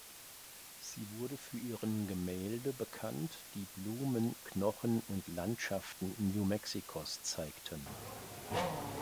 Sie wurde für ihren Gemälde bekannt, die Blumen, Knochen und Landschaften New Mexicos zeigten.